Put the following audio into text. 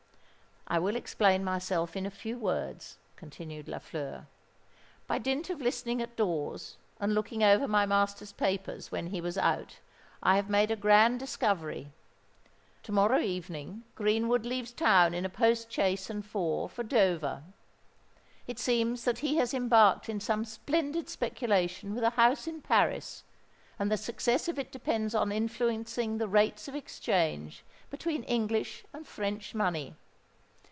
"I will explain myself in a few words," continued Lafleur. "By dint of listening at doors and looking over my master's papers when he was out, I have made a grand discovery. To morrow evening Greenwood leaves town in a post chaise and four for Dover. It seems that he has embarked in some splendid speculation with a house in Paris, and the success of it depends on influencing the rates of exchange between English and French money.